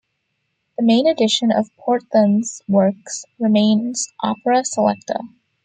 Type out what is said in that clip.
The main edition of Porthan's works remains Opera selecta.